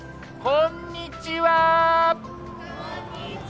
こんにちは。